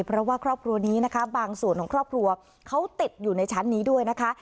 เพราะว่าครอบครัวนี้นะคะบางส่วนของครอบครัวเขาติดอยู่ในชั้นนี้ด้วยนะคะ